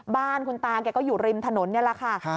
บ้านคุณตาแกก็อยู่ริมถนนนี่แหละค่ะ